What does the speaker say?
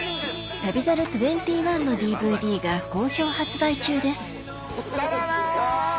『旅猿２１』のＤＶＤが好評発売中ですサラダ！